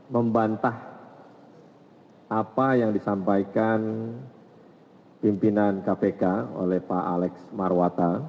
membantah apa yang disampaikan pimpinan kpk oleh pak alex marwata